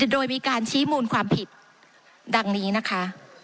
โดยมีการชี้มูลความผิดดังนี้นะคะ